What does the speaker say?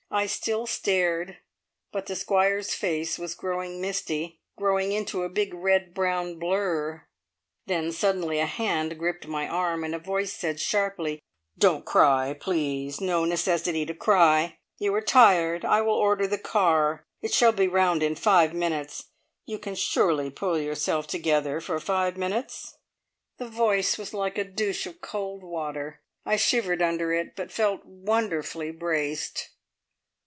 I still stared, but the Squire's face was growing misty, growing into a big, red brown blur. Then suddenly a hand gripped my arm, and a voice said sharply: "Don't cry, please! No necessity to cry. You are tired. I will order the car. It shall be round in five minutes. You can surely pull yourself together for five minutes?" The voice was like a douche of cold water. I shivered under it, but felt wonderfully braced.